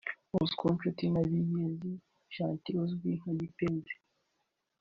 Bosco Nshuti na Bigizi Gentil uzwi nka Kipenzi